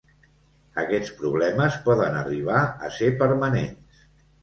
Aquests problemes poden arribar a ser permanents.